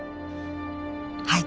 はい。